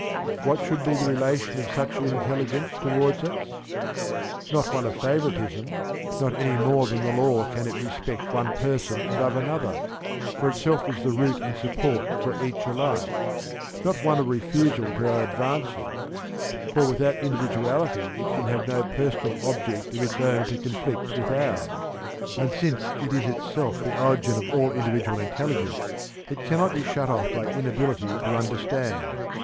What should be the relation of such an intelligence towards us? Not one of favouritism: not any more than the Law can it respect one person above another, for itself is the root and support for each alike. Not one of refusal to our advances; for without individuality it can have no personal object of its own to conflict with ours; and since it is itself the origin of all individual intelligence, it cannot be shut off by inability to understand.